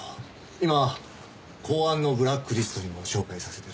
今公安のブラックリストにも照会させてる。